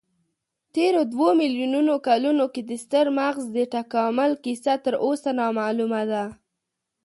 تېرو دوو میلیونو کلونو کې د ستر مغز د تکامل کیسه تراوسه نامعلومه ده.